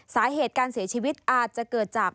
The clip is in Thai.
สาเหตุการเสียชีวิตอาจจะเกิดจาก